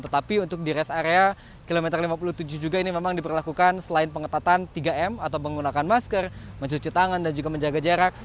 tetapi untuk di rest area kilometer lima puluh tujuh juga ini memang diperlakukan selain pengetatan tiga m atau menggunakan masker mencuci tangan dan juga menjaga jarak